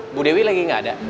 ibu dewi lagi gak ada